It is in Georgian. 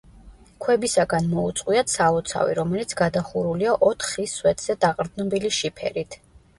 ქვებისაგან მოუწყვიათ სალოცავი, რომელიც გადახურულია ოთხ ხის სვეტზე დაყრდნობილი შიფერით.